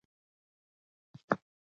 دا د تدریجي مرګ یوه سزا وه.